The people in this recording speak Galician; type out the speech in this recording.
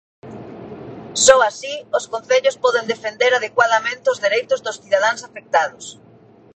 Só así os concellos poden defender adecuadamente os dereitos dos cidadáns afectados.